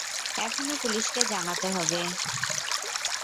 এখনই পুলিশকে জানাতে হবে।